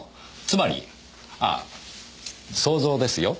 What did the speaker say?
つまりああ想像ですよ。